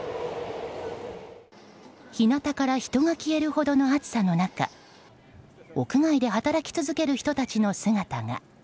日なたから人が消えるほどの暑さの中屋外で働き続ける人の姿が。